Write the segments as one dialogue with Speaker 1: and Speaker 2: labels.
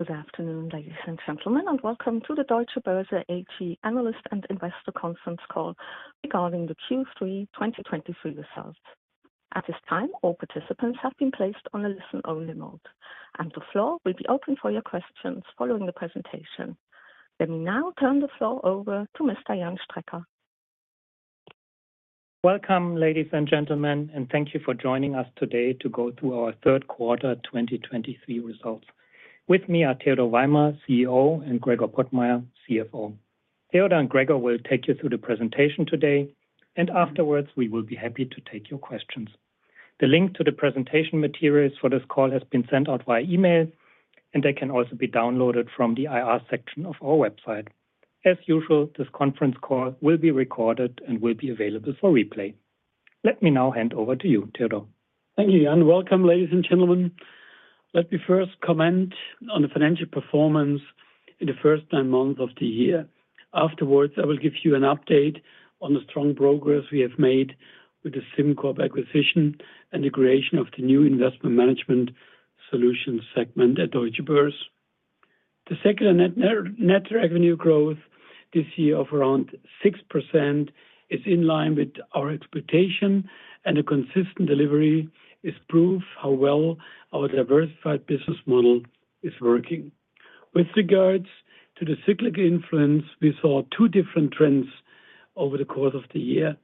Speaker 1: Good afternoon, ladies and gentlemen, and welcome to the Deutsche Börse AG Analyst and Investor Conference call regarding the Q3 2023 results. At this time, all participants have been placed on a listen-only mode, and the floor will be open for your questions following the presentation. Let me now turn the floor over to Mr. Jan Strecker.
Speaker 2: Welcome, ladies and gentlemen, and thank you for joining us today to go through our third quarter 2023 results. With me are Theodor Weimer, CEO, and Gregor Pottmeyer, CFO. Theodor and Gregor will take you through the presentation today, and afterwards, we will be happy to take your questions. The link to the presentation materials for this call has been sent out via email, and they can also be downloaded from the IR section of our website. As usual, this conference call will be recorded and will be available for replay. Let me now hand over to you, Theodor.
Speaker 3: Thank you, Jan. Welcome, ladies and gentlemen. Let me first comment on the financial performance in the first nine months of the year. Afterwards, I will give you an update on the strong progress we have made with the SimCorp acquisition and the creation Investment Management Solutions segment at Deutsche Börse. The secular net, net revenue growth this year of around 6% is in line with our expectation, and a consistent delivery is proof how well our diversified business model is working. With regards to the cyclic influence, we saw two different trends over the course of the year.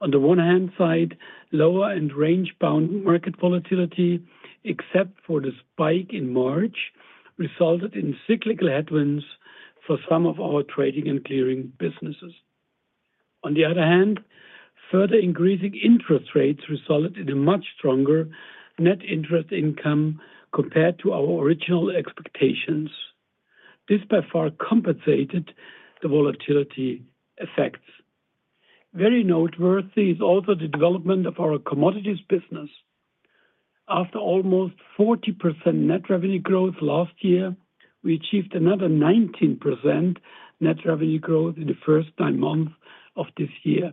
Speaker 3: On the one hand side, lower and range-bound market volatility, except for the spike in March, resulted in cyclical headwinds for some of our trading and clearing businesses. On the other hand, further increasing interest rates resulted in a much stronger net interest income compared to our original expectations. This by far compensated the volatility effects. Very noteworthy is also the development of our commodities business. After almost 40% net revenue growth last year, we achieved another 19% net revenue growth in the first nine months of this year.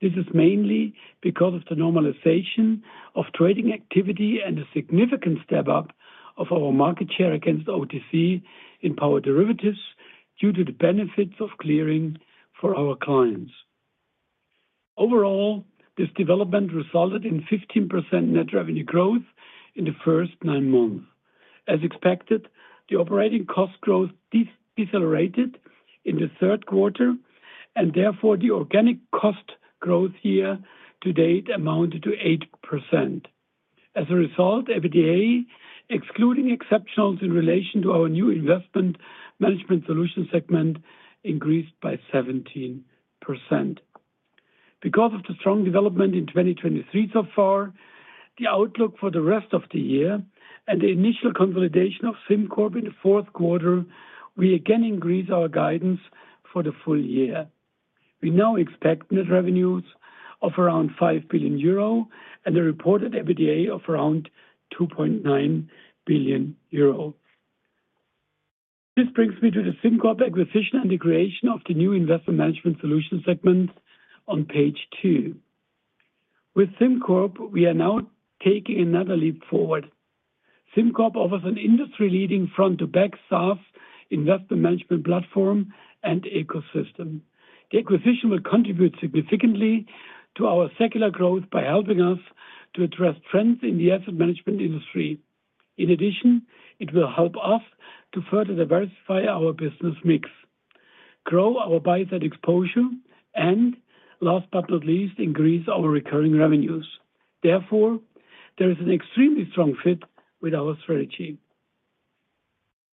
Speaker 3: This is mainly because of the normalization of trading activity and a significant step-up of our market share against OTC in power derivatives due to the benefits of clearing for our clients. Overall, this development resulted in 15% net revenue growth in the first nine months. As expected, the operating cost growth decelerated in the third quarter, and therefore, the organic cost growth year to date amounted to 8%. As a result, EBITDA, excluding exceptionals in relation to Investment Management Solutions segment, increased by 17%. Because of the strong development in 2023 so far, the outlook for the rest of the year and the initial consolidation of SimCorp in the fourth quarter, we again increase our guidance for the full year. We now expect net revenues of around 5 billion euro and a reported EBITDA of around 2.9 billion euro. This brings me to the SimCorp acquisition and the creation of Investment Management Solutions segment on page 2. With SimCorp, we are now taking another leap forward. SimCorp offers an industry-leading front-to-back SaaS investment management platform and ecosystem. The acquisition will contribute significantly to our secular growth by helping us to address trends in the asset management industry. In addition, it will help us to further diversify our business mix, grow our buy-side exposure, and last but not least, increase our recurring revenues. Therefore, there is an extremely strong fit with our strategy.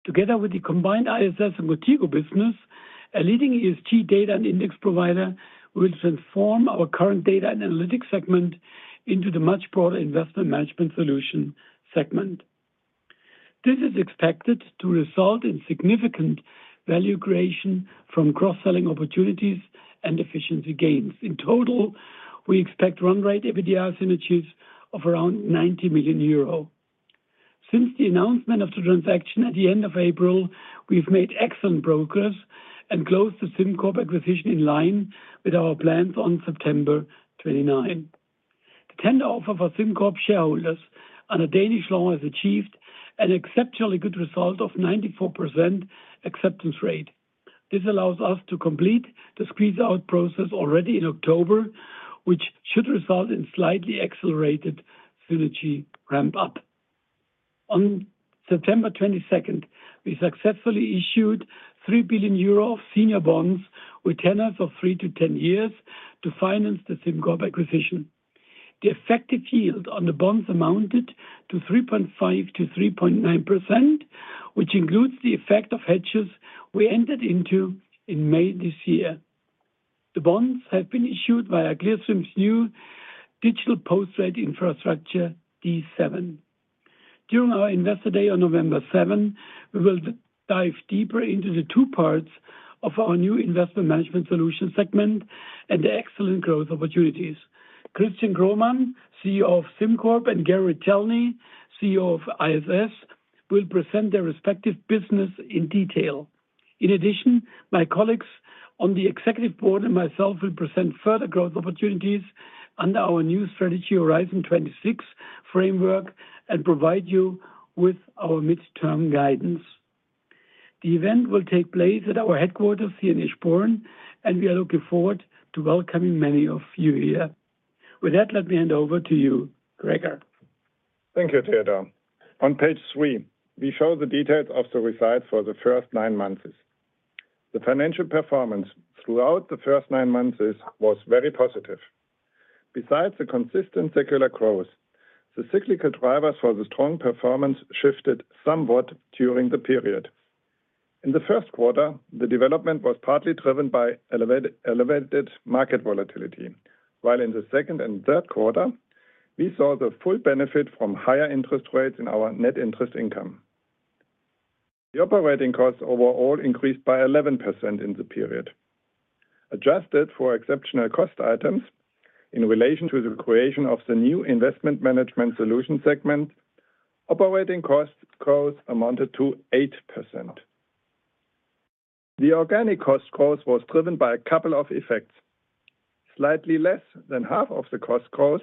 Speaker 3: Together with the combined ISS and Qontigo business, a leading ESG data and index provider will transform our current Data & Analytics segment into the Investment Management Solutions segment. this is expected to result in significant value creation from cross-selling opportunities and efficiency gains. In total, we expect run rate EBITDA synergies of around 90 million euro. Since the announcement of the transaction at the end of April, we've made excellent progress and closed the SimCorp acquisition in line with our plans on September 29. The tender offer for SimCorp shareholders under Danish law has achieved an exceptionally good result of 94% acceptance rate. This allows us to complete the squeeze-out process already in October, which should result in slightly accelerated synergy ramp-up. On September 22, we successfully issued 3 billion euro senior bonds with tenors of three to 10 years to finance the SimCorp acquisition. The effective yield on the bonds amounted to 3.5%-3.9%, which includes the effect of hedges we entered into in May this year. The bonds have been issued via Clearstream's new digital post-trade infrastructure, D7. During our Investor Day on November 7, we will dive deeper into the two parts Investment Management Solutions segment and the excellent growth opportunities. Christian Kromann, CEO of SimCorp, and Gary Retelny, CEO of ISS, will present their respective business in detail.... In addition, my colleagues on the Executive Board and myself will present further growth opportunities under our new strategy, Horizon 2026 framework, and provide you with our midterm guidance. The event will take place at our headquarters here in Eschborn, and we are looking forward to welcoming many of you here. With that, let me hand over to you, Gregor.
Speaker 4: Thank you, Theodor. On Page 3, we show the details of the results for the first nine months. The financial performance throughout the first nine months was very positive. Besides the consistent secular growth, the cyclical drivers for the strong performance shifted somewhat during the period. In the first quarter, the development was partly driven by elevated market volatility, while in the second and third quarter, we saw the full benefit from higher interest rates in our net interest income. The operating costs overall increased by 11% in the period. Adjusted for exceptional cost items in relation to the creation of Investment Management Solutions segment, operating costs growth amounted to 8%. The organic cost growth was driven by a couple of effects. Slightly less than half of the cost growth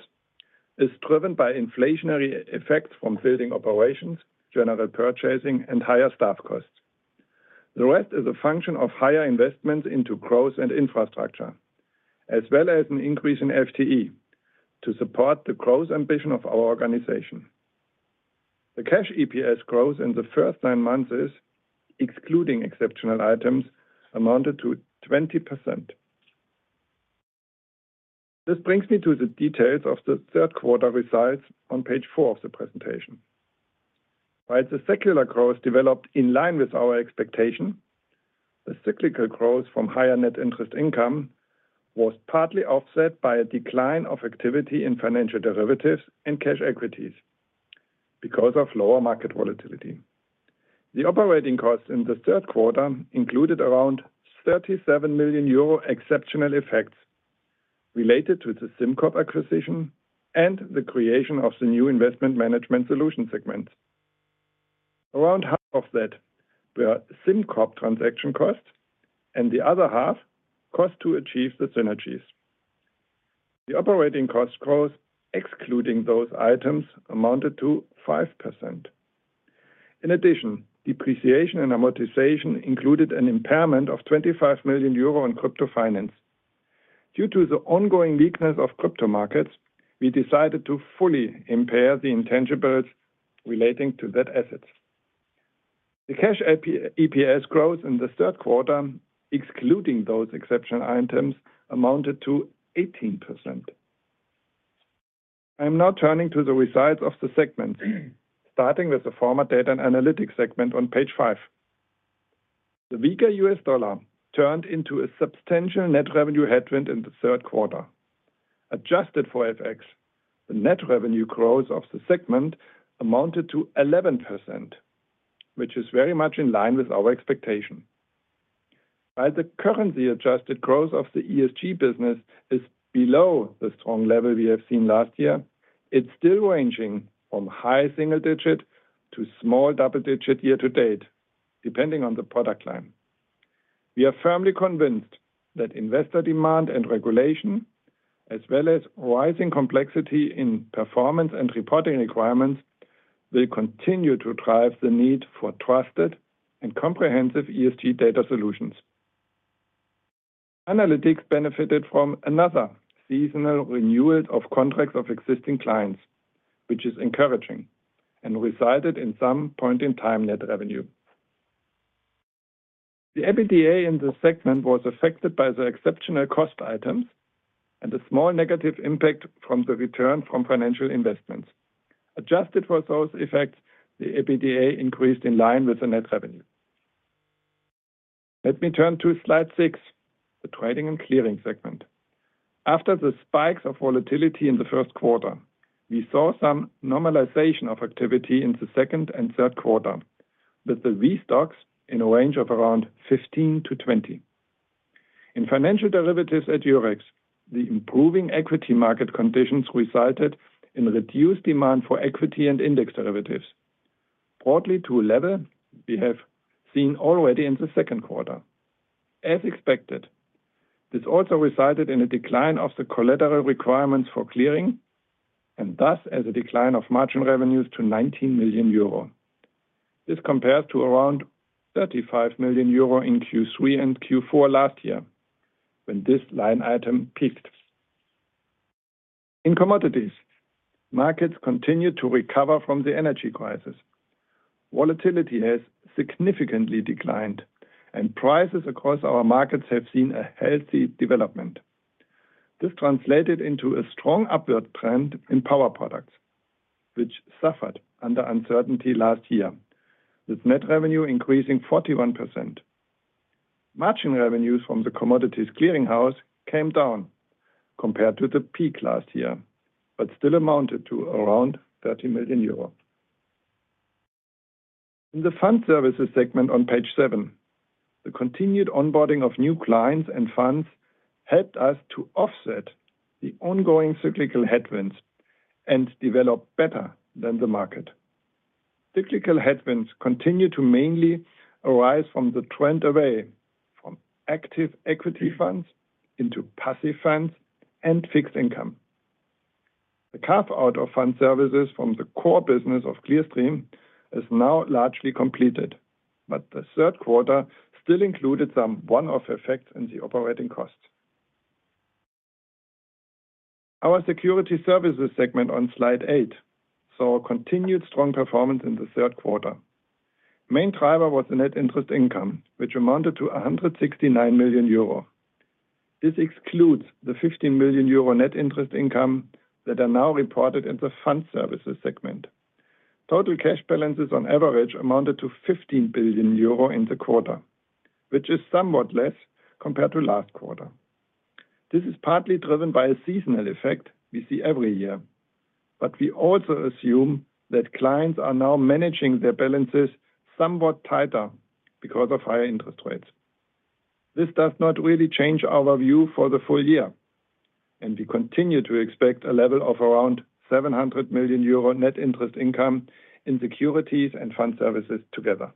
Speaker 4: is driven by inflationary effects from building operations, general purchasing, and higher staff costs. The rest is a function of higher investments into growth and infrastructure, as well as an increase in FTE to support the growth ambition of our organization. The cash EPS growth in the first nine months, excluding exceptional items, amounted to 20%. This brings me to the details of the third quarter results on Page 4 of the presentation. While the secular growth developed in line with our expectation, the cyclical growth from higher net interest income was partly offset by a decline of activity in financial derivatives and cash equities because of lower market volatility. The operating costs in the third quarter included around 37 million euro exceptional effects related to the SimCorp acquisition and the creation of Investment Management Solutions segment. around half of that were SimCorp transaction costs, and the other half, costs to achieve the synergies. The operating cost growth, excluding those items, amounted to 5%. In addition, depreciation and amortization included an impairment of 25 million euro in Crypto Finance. Due to the ongoing weakness of crypto markets, we decided to fully impair the intangibles relating to that asset. The cash EPS growth in the third quarter, excluding those exceptional items, amounted to 18%. I am now turning to the results of the segments, starting with the former Data & Analytics segment on Page 5. The weaker US dollar turned into a substantial net revenue headwind in the third quarter. Adjusted for FX, the net revenue growth of the segment amounted to 11%, which is very much in line with our expectation. While the currency-adjusted growth of the ESG business is below the strong level we have seen last year, it's still ranging from high single digit to small double digit year to date, depending on the product line. We are firmly convinced that investor demand and regulation, as well as rising complexity in performance and reporting requirements, will continue to drive the need for trusted and comprehensive ESG data solutions. Analytics benefited from another seasonal renewal of contracts of existing clients, which is encouraging and resulted in some point in time net revenue. The EBITDA in this segment was affected by the exceptional cost items and a small negative impact from the return from financial investments. Adjusted for those effects, the EBITDA increased in line with the net revenue. Let me turn to Slide 6, the Trading & Clearing segment. After the spikes of volatility in the first quarter, we saw some normalization of activity in the second and third quarter, with the VSTOXX in a range of around 15-20. In financial derivatives at Eurex, the improving equity market conditions resulted in reduced demand for equity and index derivatives, broadly to a level we have seen already in the second quarter. As expected, this also resulted in a decline of the collateral requirements for clearing and thus a decline of margin revenues to 19 million euro. This compares to around 35 million euro in Q3 and Q4 last year, when this line item peaked. In commodities, markets continued to recover from the energy crisis. Volatility has significantly declined, and prices across our markets have seen a healthy development. This translated into a strong upward trend in power products, which suffered under uncertainty last year, with net revenue increasing 41%. Margin revenues from the commodities clearinghouse came down compared to the peak last year, but still amounted to around 30 million euro. In the Fund Services segment on Page 7 the continued onboarding of new clients and funds helped us to offset the ongoing cyclical headwinds... and develop better than the market. Cyclical headwinds continue to mainly arise from the trend away from active equity funds into passive funds and fixed income. The carve-out of fund services from the core business of Clearstream is now largely completed, but the third quarter still included some one-off effects in the operating costs. Our Securities Services segment on Slide 8 saw continued strong performance in the third quarter. Main driver was the net interest income, which amounted to 169 million euro. This excludes the 15 million euro net interest income that are now reported in the Fund Services segment. Total cash balances on average amounted to 15 billion euro in the quarter, which is somewhat less compared to last quarter. This is partly driven by a seasonal effect we see every year, but we also assume that clients are now managing their balances somewhat tighter because of higher interest rates. This does not really change our view for the full year, and we continue to expect a level of around 700 million euro net interest income in securities and fund services together.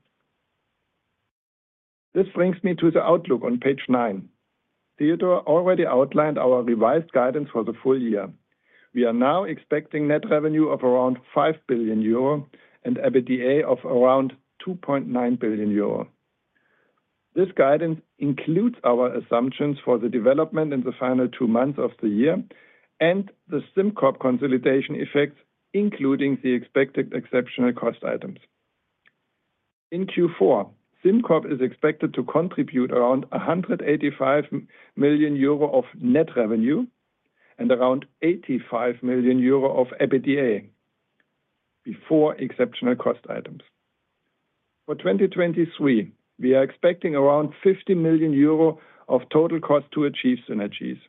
Speaker 4: This brings me to the outlook on Page 9 Theodor already outlined our revised guidance for the full year. We are now expecting net revenue of around 5 billion euro and EBITDA of around 2.9 billion euro. This guidance includes our assumptions for the development in the final two months of the year and the SimCorp consolidation effects, including the expected exceptional cost items. In Q4, SimCorp is expected to contribute around 185 million euro of net revenue and around 85 million euro of EBITDA before exceptional cost items. For 2023, we are expecting around 50 million euro of total cost to achieve synergies,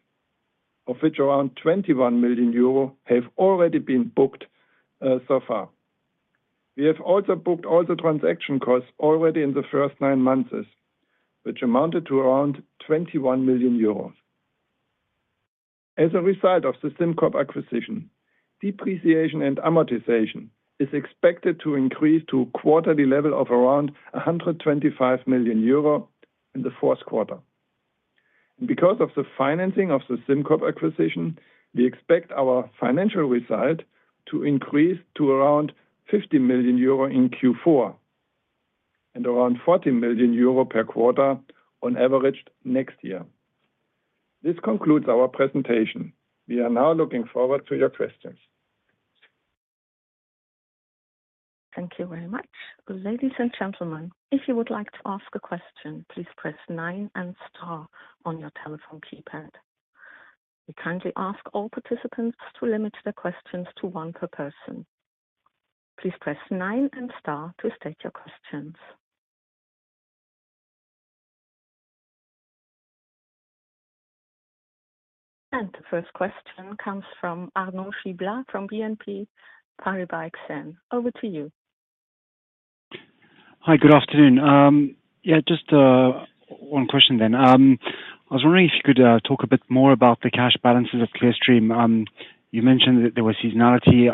Speaker 4: of which around 21 million euro have already been booked, so far. We have also booked all the transaction costs already in the first nine months, which amounted to around 21 million euros. As a result of the SimCorp acquisition, depreciation and amortization is expected to increase to a quarterly level of around 125 million euro in the fourth quarter. Because of the financing of the SimCorp acquisition, we expect our financial result to increase to around 50 million euro in Q4, and around 40 million euro per quarter on average next year. This concludes our presentation. We are now looking forward to your questions.
Speaker 1: Thank you very much. Ladies and gentlemen, if you would like to ask a question, please press nine and star on your telephone keypad. We kindly ask all participants to limit their questions to one per person. Please press nine and star to state your questions. The first question comes from Arnaud Giblat, from BNP Paribas Exane. Over to you.
Speaker 5: Hi, good afternoon. Yeah, just one question then. I was wondering if you could talk a bit more about the cash balances of Clearstream. You mentioned that there was seasonality.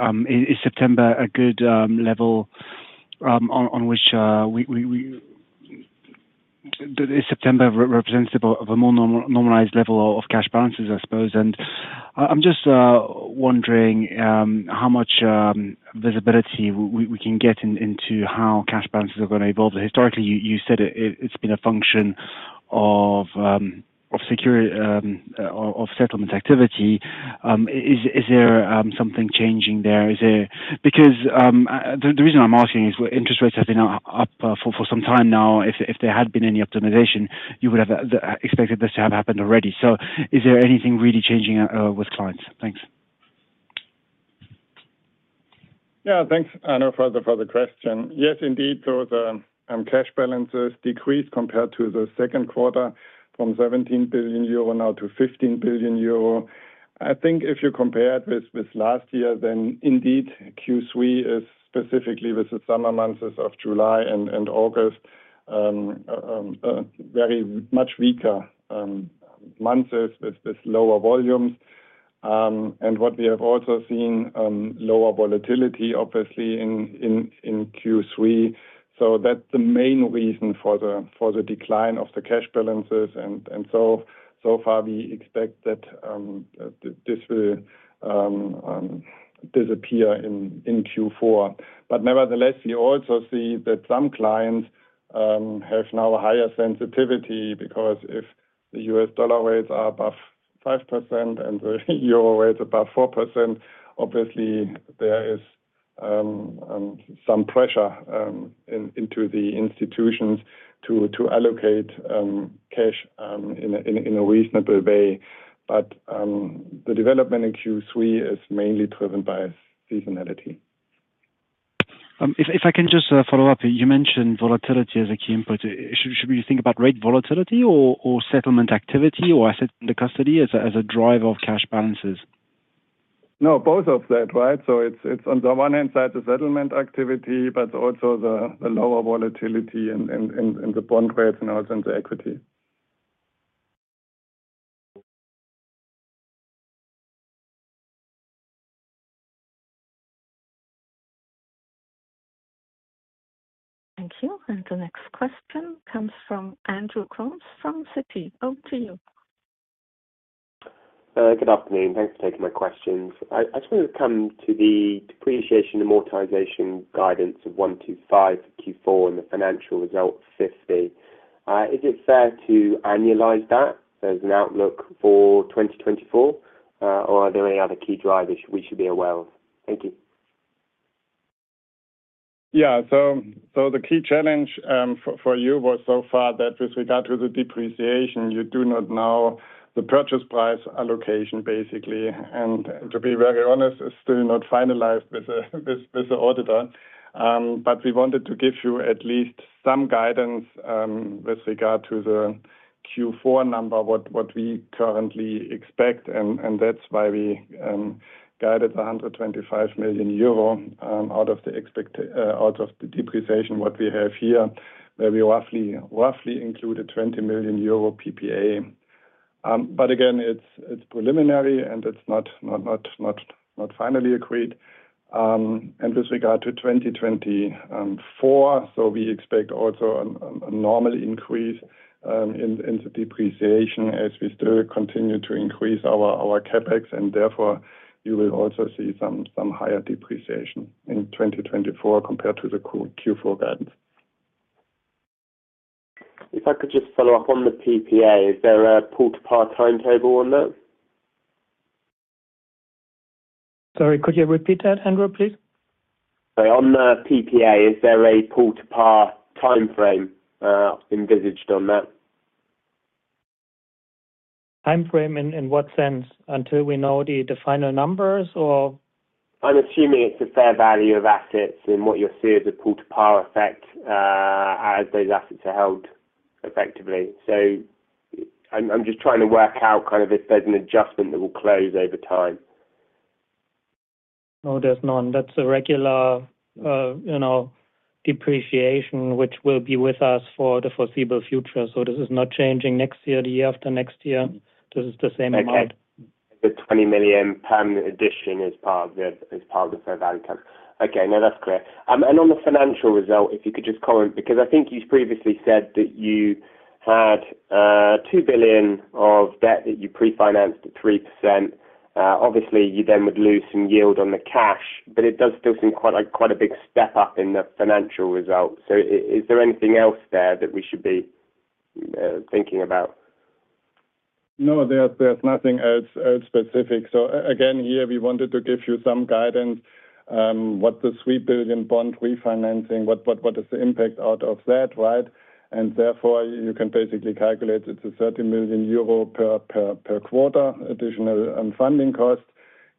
Speaker 5: Is September a good level on which we... Is September representative of a more normalized level of cash balances, I suppose? And I'm just wondering how much visibility we can get into how cash balances are going to evolve. Historically, you said it's been a function of security of settlement activity. Is there something changing there? Is there? Because the reason I'm asking is, well, interest rates have been up for some time now. If there had been any optimization, you would have expected this to have happened already. So is there anything really changing with clients? Thanks.
Speaker 4: Yeah, thanks, Arnaud, for the, for the question. Yes, indeed, so the cash balances decreased compared to the second quarter from 17 billion euro now to 15 billion euro. I think if you compare it with, with last year, then indeed, Q3 is specifically with the summer months of July and, and August, very much weaker months with, with lower volumes. And what we have also seen, lower volatility, obviously in, in, in Q3. So that's the main reason for the, for the decline of the cash balances. And, and so, so far, we expect that this will disappear in, in Q4. But nevertheless, we also see that some clients have now a higher sensitivity, because if the U.S. dollar rates are above 5% and the euro rate is above 4%, obviously, there is some pressure into the institutions to allocate cash in a reasonable way. But the development in Q3 is mainly driven by seasonality.
Speaker 5: If I can just follow-up. You mentioned volatility as a key input. Should we think about rate volatility or settlement activity, or asset under custody as a driver of cash balances?
Speaker 4: No, both of that, right? So it's on the one hand side, the settlement activity, but also the lower volatility in the bond rates and also in the equity.
Speaker 1: Thank you. The next question comes from Andrew Coombs from Citi. Over to you.
Speaker 6: Good afternoon. Thanks for taking my questions. I just want to come to the depreciation and amortization guidance of one to five Q4 in the financial results 50. Is it fair to annualize that as an outlook for 2024, or are there any other key drivers we should be aware of? Thank you.
Speaker 4: Yeah. The key challenge for you was so far that with regard to the depreciation, you do not know the purchase price allocation, basically. And to be very honest, it's still not finalized with the auditor. But we wanted to give you at least some guidance with regard to the Q4 number we currently expect, and that's why we guided 125 million euro out of the depreciation what we have here, where we roughly included 20 million euro PPA. But again, it's preliminary, and it's not finally agreed. And with regard to 2024, so we expect also a normal increase in the depreciation as we still continue to increase our CapEx, and therefore, you will also see some higher depreciation in 2024 compared to the Q4 guidance.
Speaker 6: If I could just follow-up on the PPA, is there a pull-to-par timetable on that?
Speaker 2: Sorry, could you repeat that, Andrew, please?
Speaker 6: On the PPA, is there a pull-to-par timeframe envisaged on that?
Speaker 2: Timeframe in what sense? Until we know the final numbers or...?
Speaker 6: I'm assuming it's a fair value of assets and what you'll see as a pull-to-par effect as those assets are held effectively. So I'm just trying to work out kind of if there's an adjustment that will close over time.
Speaker 2: No, there's none. That's a regular, you know, depreciation, which will be with us for the foreseeable future. So this is not changing next year, the year after next year. This is the same amount.
Speaker 6: Okay. The 20 million addition is part of the fair value account. Okay, now that's clear. And on the financial result, if you could just comment, because I think you've previously said that you had 2 billion of debt that you pre-financed at 3%. Obviously, you then would lose some yield on the cash, but it does still seem quite a, quite a big step up in the financial results. So, is there anything else there that we should be thinking about?
Speaker 4: No, there's nothing else specific. So again, here, we wanted to give you some guidance what the 3 billion bond refinancing what is the impact out of that, right? And therefore, you can basically calculate it's a 30 million euro per quarter, additional funding cost,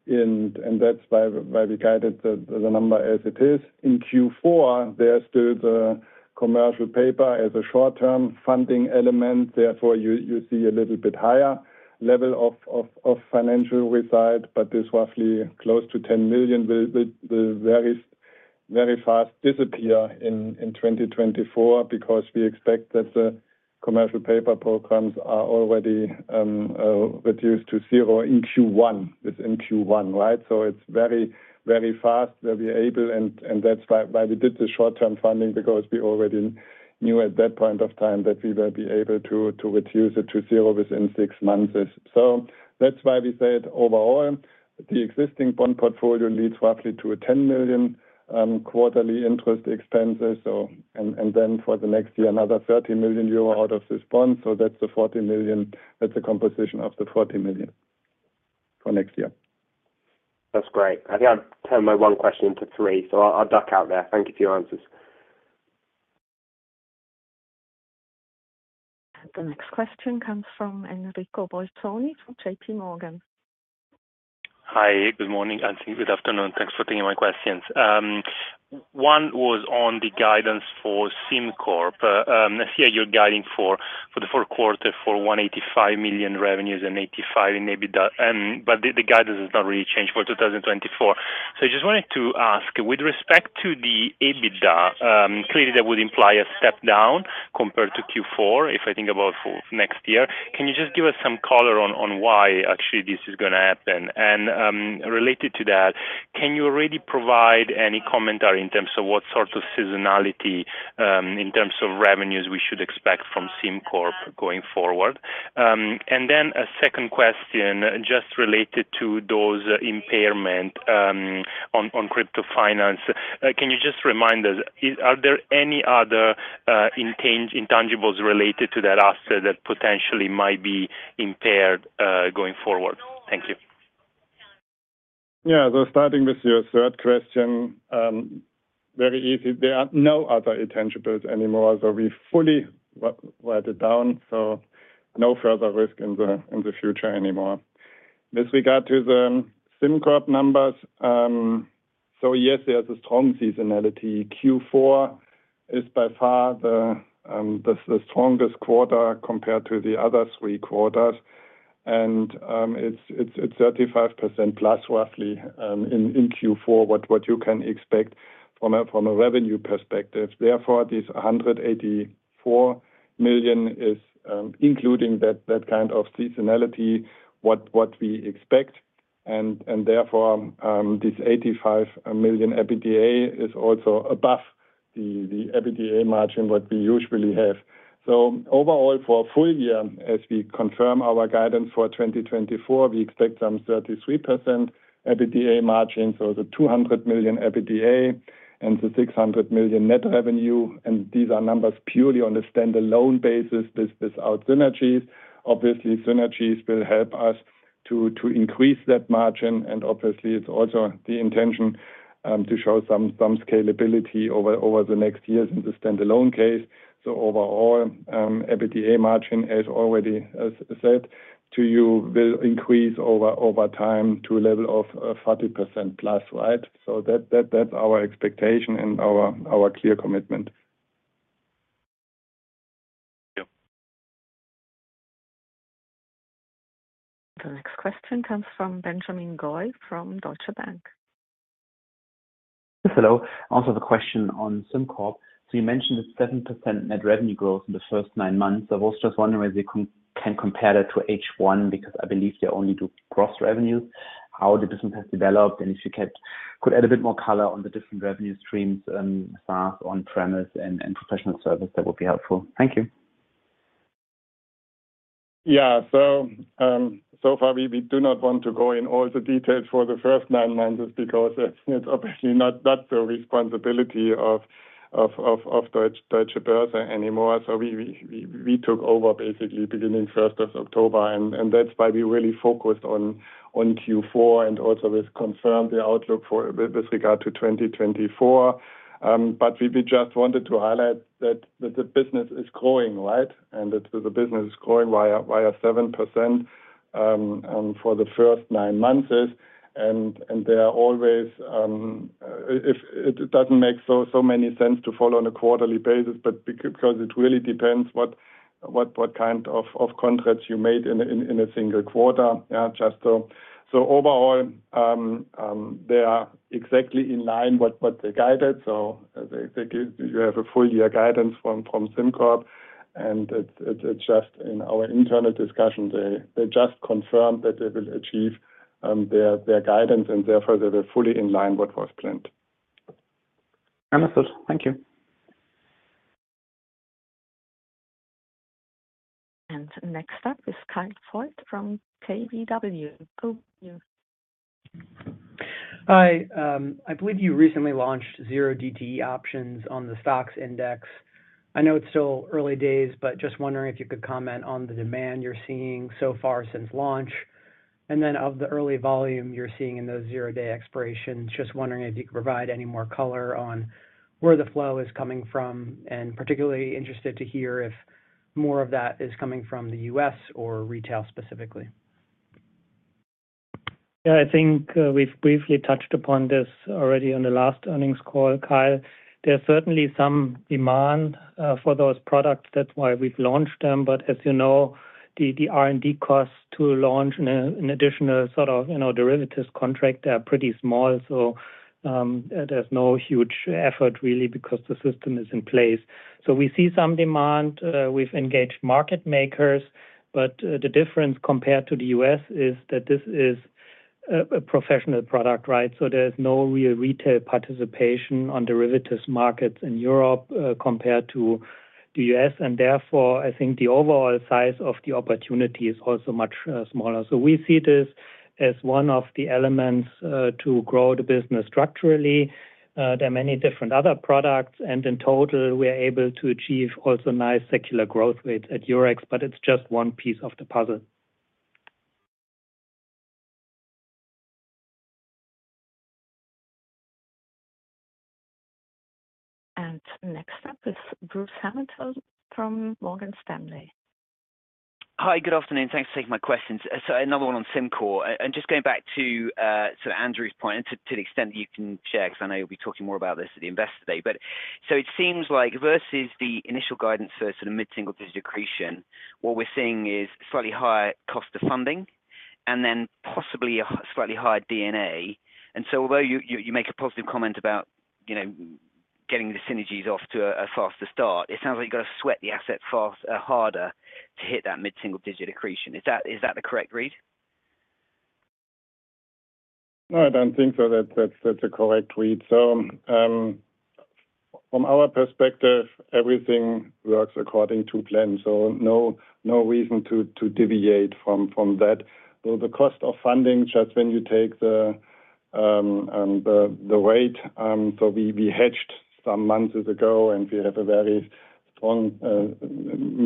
Speaker 4: and that's why we guided the number as it is. In Q4, there's still the commercial paper as a short-term funding element, therefore, you see a little bit higher level of financial result, but this roughly close to 10 million will very fast disappear in 2024 because we expect that the commercial paper programs are already reduced to zero in Q1. It's in Q1, right? So it's very, very fast that we are able, and that's why we did the short-term funding because we already knew at that point of time that we will be able to reduce it to zero within six months. So that's why we said overall, the existing bond portfolio leads roughly to a 10 million quarterly interest expenses. So, and then for the next year, another 30 million euro out of this bond. So that's the 40 million. That's a composition of the 40 million for next year.
Speaker 6: That's great. I think I've turned my one question into three, so I'll duck out there. Thank you for your answers.
Speaker 1: The next question comes from Enrico Bolzoni from JPMorgan.
Speaker 7: Hi, good morning, and good afternoon. Thanks for taking my questions. One was on the guidance for SimCorp. Here you're guiding for the fourth quarter for 185 million revenues and 85 million in EBITDA, but the guidance has not really changed for 2024. So I just wanted to ask, with respect to the EBITDA, clearly, that would imply a step down compared to Q4, if I think about for next year. Can you just give us some color on why actually this is going to happen? And related to that, can you already provide any commentary in terms of what sort of seasonality in terms of revenues we should expect from SimCorp going forward? And then a second question, just related to those impairment on Crypto Finance. Can you just remind us, are there any other intangibles related to that asset that potentially might be impaired going forward? Thank you.
Speaker 4: Yeah, so starting with your third question, very easy. There are no other intangibles anymore, so we fully write it down, so no further risk in the future anymore. With regard to the SimCorp numbers, so yes, there's a strong seasonality. Q4 is by far the strongest quarter compared to the other three quarters, and it's 35%+, roughly, in Q4, what you can expect from a revenue perspective. Therefore, this 184 million is including that kind of seasonality, what we expect, and therefore, this 85 million EBITDA is also above the EBITDA margin what we usually have. So overall, for full year, as we confirm our guidance for 2024, we expect some 33% EBITDA margin, so the 200 million EBITDA and the 600 million net revenue. And these are numbers purely on the standalone basis, this, without synergies. Obviously, synergies will help us to increase that margin, and obviously, it's also the intention to show some scalability over the next years in the standalone case. So overall, EBITDA margin, as already said to you, will increase over time to a level of 40%+, right? So that, that's our expectation and our clear commitment.
Speaker 7: Yeah.
Speaker 1: The next question comes from Benjamin Goy from Deutsche Bank.
Speaker 8: Yes, hello. Also, the question on SimCorp. So you mentioned the 7% net revenue growth in the first nine months. I was just wondering whether you can compare that to H1, because I believe you only do cross revenues, how the business has developed, and if you could add a bit more color on the different revenue streams, SaaS, on-premise, and professional service, that would be helpful. Thank you.
Speaker 4: Yeah. So, so far, we do not want to go in all the details for the first nine months just because it's obviously not the responsibility of Deutsche Börse anymore. So we took over basically beginning first of October, and that's why we really focused on Q4 and also with confirmed the outlook for with regard to 2024. But we just wanted to highlight that the business is growing, right? And that the business is growing by a 7% for the first nine months. And there are always it doesn't make so many sense to follow on a quarterly basis, but because it really depends what kind of contracts you made in a single quarter. Yeah, just, so overall, they are exactly in line what they guided. So they give you a full year guidance from SimCorp, and it's just in our internal discussions, they just confirmed that they will achieve their guidance and therefore they were fully in line what was planned.
Speaker 8: Understood. Thank you.
Speaker 1: Next up is Kyle Voigt from KBW. Go you.
Speaker 9: Hi. I believe you recently launched 0DTE options on the STOXX index. I know it's still early days, but just wondering if you could comment on the demand you're seeing so far since launch, and then of the early volume you're seeing in those zero-day expirations. Just wondering if you could provide any more color on where the flow is coming from, and particularly interested to hear if more of that is coming from the U.S. or retail specifically.
Speaker 2: Yeah, I think, we've briefly touched upon this already on the last earnings call, Kyle. There are certainly some demand for those products. That's why we've launched them. But as you know, the R&D costs to launch an additional sort of, you know, derivatives contract are pretty small. So, there's no huge effort really because the system is in place. So we see some demand, we've engaged market makers, but, the difference compared to the U.S. is that this is a professional product, right? So there is no real retail participation on derivatives markets in Europe, compared to the U.S., and therefore, I think the overall size of the opportunity is also much, smaller. So we see this as one of the elements to grow the business structurally. There are many different other products, and in total, we are able to achieve also nice secular growth rates at Eurex, but it's just one piece of the puzzle.
Speaker 1: Next up is Bruce Hamilton from Morgan Stanley.
Speaker 10: Hi, good afternoon. Thanks for taking my questions. So another one on SimCorp, and just going back to sort of Andrew's point, and to the extent that you can share, because I know you'll be talking more about this at the Investor Day. But so it seems like versus the initial guidance for sort of mid-single digit accretion, what we're seeing is slightly higher cost of funding and then possibly a slightly higher D&A. And so although you make a positive comment about, you know, getting the synergies off to a faster start, it sounds like you've got to sweat the asset fast harder to hit that mid-single digit accretion. Is that the correct read?
Speaker 4: No, I don't think so. That's, that's, that's a correct read. So, from our perspective, everything works according to plan, so no, no reason to, to deviate from, from that. So the cost of funding, just when you take the, the rate, so we, we hedged some months ago, and we have a very strong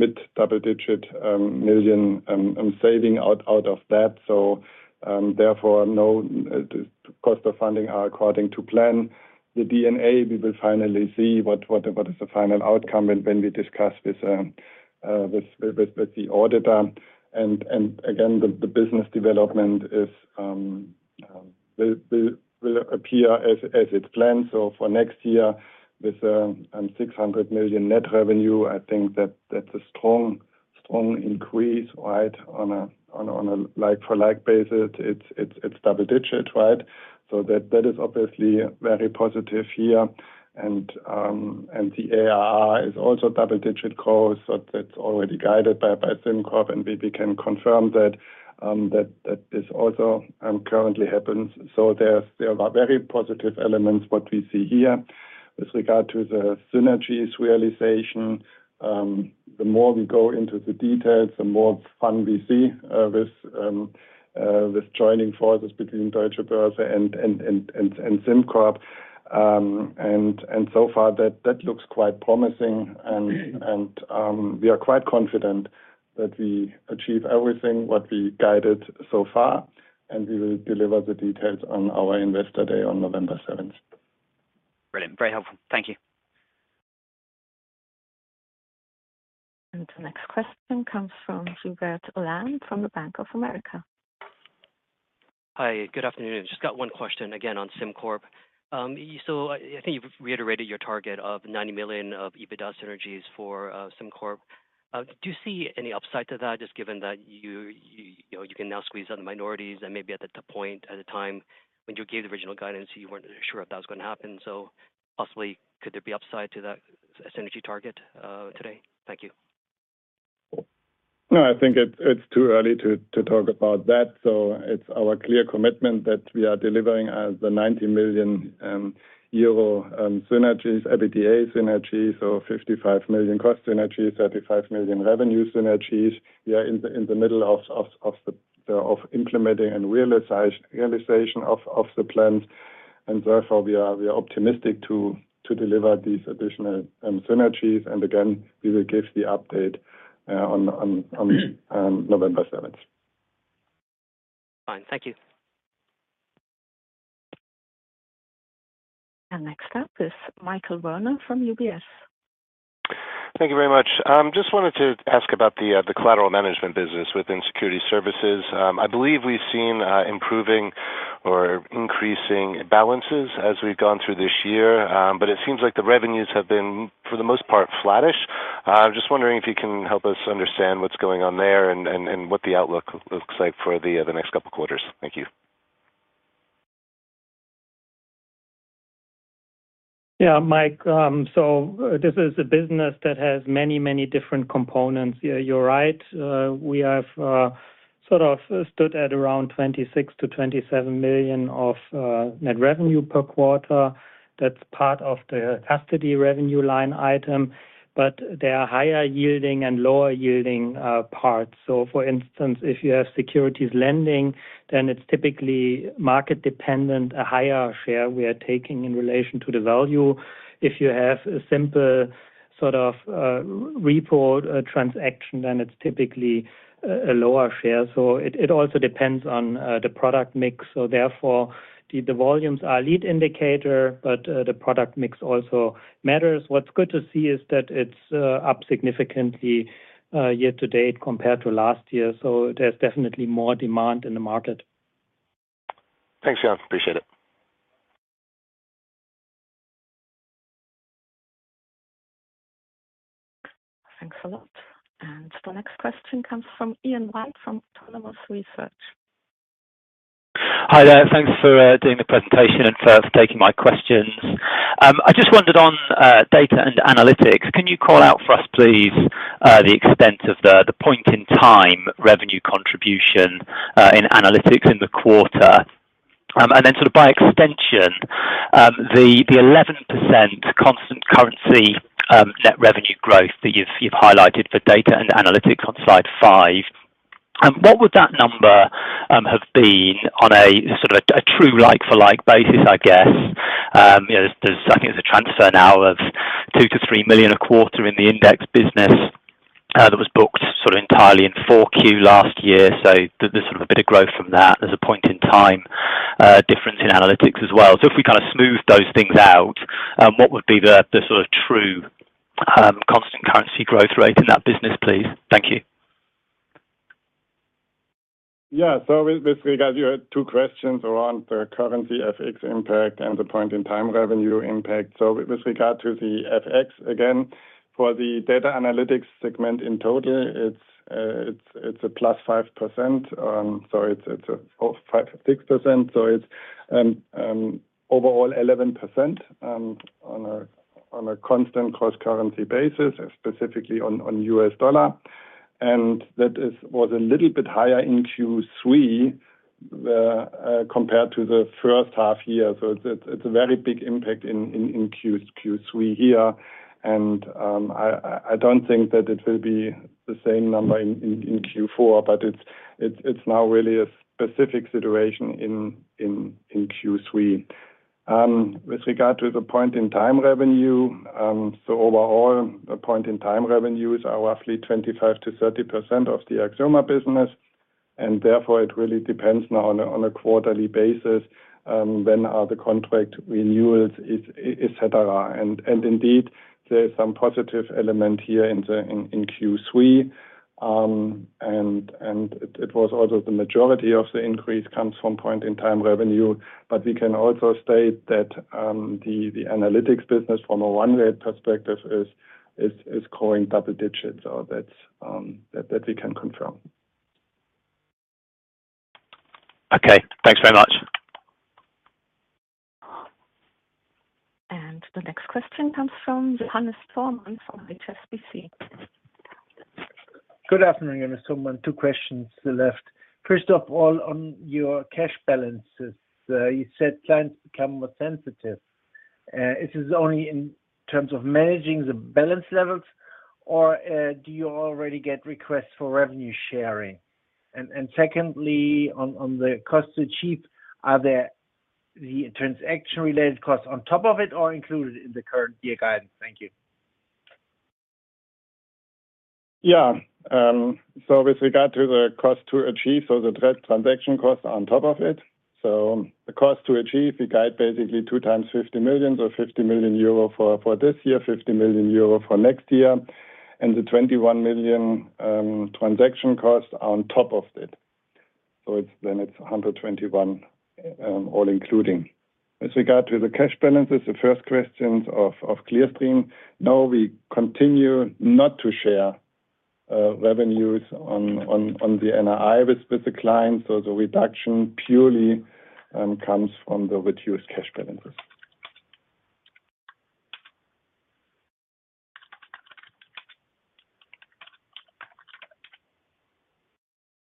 Speaker 4: mid-double-digit million EUR saving out, out of that. So, therefore, no, cost of funding are according to plan. The D&A, we will finally see what, what, what is the final outcome and when we discuss with, with, with the auditor. And, and again, the, the business development is, will, will, will appear as, as it's planned. So for next year, with 600 million net revenue, I think that that's a strong, strong increase, right, on a, on a, like-for-like basis. It's double digit, right? So that is obviously very positive here. And the ARR is also double-digit growth, so that's already guided by SimCorp, and we can confirm that this also currently happens. So there are very positive elements what we see here. With regard to the synergies realization, the more we go into the details, the more fun we see with joining forces between Deutsche Börse and SimCorp. And so far that looks quite promising. We are quite confident that we achieve everything what we guided so far, and we will deliver the details on our Investor Day on November seventh.
Speaker 10: Brilliant. Very helpful. Thank you.
Speaker 1: The next question comes from Hubert Lam, from Bank of America.
Speaker 11: Hi, good afternoon. Just got one question again on SimCorp. So I think you've reiterated your target of 90 million of EBITDA synergies for SimCorp. Do you see any upside to that, just given that you know you can now squeeze out the minorities and maybe at the point, at the time when you gave the original guidance, you weren't sure if that was going to happen? So possibly, could there be upside to that synergy target today? Thank you.
Speaker 4: No, I think it's too early to talk about that. So it's our clear commitment that we are delivering as the 90 million euro EBITDA synergies, so 55 million cost synergies, 35 million revenue synergies. We are in the middle of implementing and realization of the plans, and therefore, we are optimistic to deliver these additional synergies. And again, we will give the update on November 7th.
Speaker 11: Fine. Thank you.
Speaker 1: Next up is Michael Werner from UBS.
Speaker 12: Thank you very much. Just wanted to ask about the collateral management business within Security Services. I believe we've seen improving or increasing balances as we've gone through this year. But it seems like the revenues have been, for the most part, flattish. Just wondering if you can help us understand what's going on there and what the outlook looks like for the next couple of quarters. Thank you.
Speaker 2: Yeah, Mike, so this is a business that has many, many different components. You, you're right. We have, sort of stood at around 26 million-27 million of net revenue per quarter. That's part of the custody revenue line item, but there are higher yielding and lower yielding parts. So for instance, if you have securities lending, then it's typically market dependent, a higher share we are taking in relation to the value. If you have a simple sort of report transaction, then it's typically a lower share. So it also depends on the product mix. So therefore, the volumes are leading indicator, but the product mix also matters. What's good to see is that it's up significantly year-to-date compared to last year, so there's definitely more demand in the market.
Speaker 12: Thanks, Jan. Appreciate it.
Speaker 1: Thanks a lot. The next question comes from Ian White, from Autonomous Research.
Speaker 13: Hi there. Thanks for doing the presentation and for taking my questions. I just wondered on Data & Analytics, can you call out for us, please, the extent of the point in time revenue contribution in analytics in the quarter? And then sort of by extension, the 11% constant currency net revenue growth that you've highlighted for data and analytics on Slide 5, what would that number have been on a sort of a true like for like basis, I guess? You know, there's, I think there's a transfer now of 2 million-3 million a quarter in the index business that was booked sort of entirely in 4Q last year. So there's sort of a bit of growth from that. There's a point in time difference in analytics as well. If we kind of smooth those things out, what would be the sort of true constant currency growth rate in that business, please? Thank you.
Speaker 4: Yeah. So with this regard, you had two questions around the currency FX impact and the point in time revenue impact. So with regard to the FX, again, for the Data & Analytics segment, in total, it's a +5%. So it's a 5%-6%, so it's overall 11%, on a constant cross-currency basis, specifically on US dollar. And that was a little bit higher in Q3 compared to the first half year. So it's a very big impact in Q3 here. And I don't think that it will be the same number in Q4, but it's now really a specific situation in Q3. With regard to the point in time revenue, so overall, the point in time revenues are roughly 25%-30% of the Axioma business, and therefore it really depends now on a quarterly basis, when are the contract renewals, et cetera. And indeed, there is some positive element here in Q3. And it was also the majority of the increase comes from point in time revenue, but we can also state that the analytics business from a one-way perspective is growing double digits. So that's that we can confirm.
Speaker 13: Okay. Thanks very much.
Speaker 1: The next question comes from Johannes Thormann, from HSBC.
Speaker 14: Good afternoon, Johannes Thormann. Two questions left. First of all, on your cash balances, you said clients become more sensitive. Is this only in terms of managing the balance levels, or do you already get requests for revenue sharing? And, and secondly, on the cost to achieve, are there the transaction-related costs on top of it or included in the current year guidance? Thank you.
Speaker 4: Yeah. So with regard to the cost to achieve, so the transaction cost on top of it. So the cost to achieve, we guide basically two times 50 million, so 50 million euro for this year, 50 million euro for next year, and the 21 million transaction costs on top of it. So it's then it's 121, all including. With regard to the cash balances, the first questions of Clearstream, no, we continue not to share revenues on the NII with the clients, so the reduction purely comes from the reduced cash balances.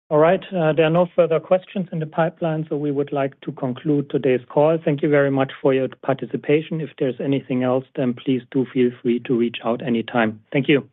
Speaker 2: All right, there are no further questions in the pipeline, so we would like to conclude today's call. Thank you very much for your participation. If there's anything else, then please do feel free to reach out anytime. Thank you.